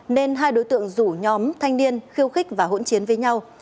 nên hai đối tượng rủ nhóm thanh niên khiêu khích và hỗn chiến với nhau